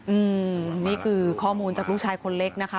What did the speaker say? อืมนี่คือข้อมูลจากลูกชายคนเล็กนะคะ